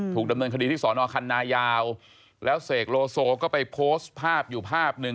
ถูกดำเนินคดีที่สอนอคันนายาวแล้วเสกโลโซก็ไปโพสต์ภาพอยู่ภาพหนึ่ง